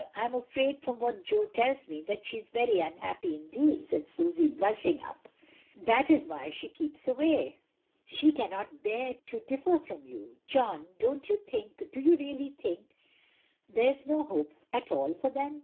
"I am afraid, from what Jo tells me, that she is very unhappy indeed," said Susy, blushing up; "that is why she keeps away. She cannot bear to — to differ from you. John, don't you think — do you really think — there is no hope at all for them?